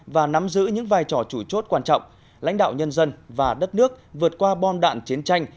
và nắm giữ những vai trò chủ chốt quan trọng lãnh đạo nhân dân và đất nước vượt qua bom đạn chiến tranh